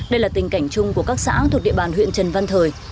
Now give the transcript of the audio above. đây là tình cảnh chung của các xã thuộc địa bàn huyện trần văn thời